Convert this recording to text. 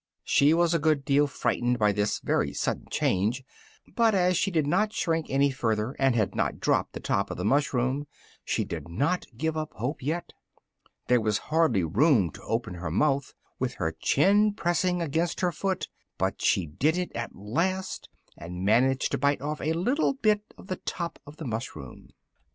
She was a good deal frightened by this very sudden change, but as she did not shrink any further, and had not dropped the top of the mushroom, she did not give up hope yet. There was hardly room to open her mouth, with her chin pressing against her foot, but she did it at last, and managed to bite off a little bit of the top of the mushroom.